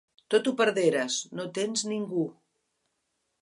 Tot ho perderes, no tens ningú.